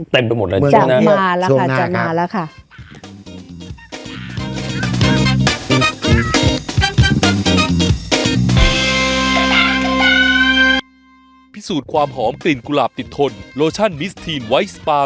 เต็มไปหมดเลยจะมาแล้วค่ะแล้วค่ะ